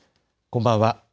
こんばんは。